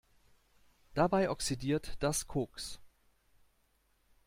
Dabei oxidiert das Koks.